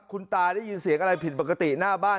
คุณตาได้ยินเสียงอะไรผิดปกติหน้าบ้าน